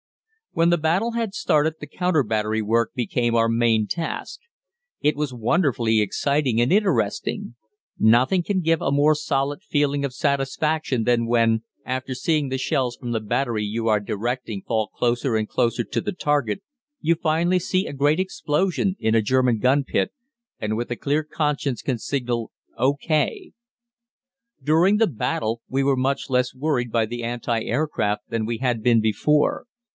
When the battle had started the counter battery work became our main task. It was wonderfully exciting and interesting. Nothing can give a more solid feeling of satisfaction than when, after seeing the shells from the battery you are directing fall closer and closer to the target, you finally see a great explosion in a German gun pit, and with a clear conscience can signal "O.K." During the battle we were much less worried by the anti aircraft than we had been before.